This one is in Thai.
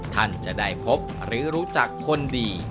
ท่านจะได้พบหรือรู้จักคนดี